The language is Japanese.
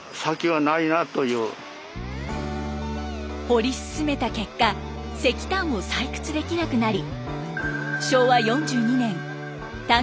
掘り進めた結果石炭を採掘できなくなり。